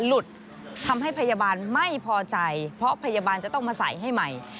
หลุดทำให้พยาบาลไม่พอใจเพราะพยาบาลจะต้องมาใส่ให้ใหม่